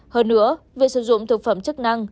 hơn nữa về sử dụng thực phẩm chức năng